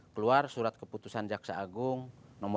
keluar surat kejaksaan dan kembali ke kejaksaan yang berikutnya